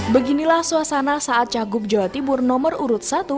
beginilah suasana saat cagup jawa timur nomor urut satu